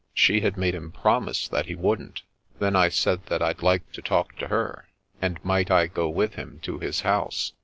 She had made him promise that he wouldn't. Then I said that I'd like to talk to her, and might I go with him to his house.